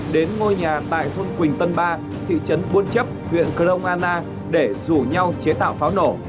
đến ngôi nhà tại thôn quỳnh tân ba thị trấn buôn chấp huyện cờ đông an na để rủ nhau chế tạo pháo nổ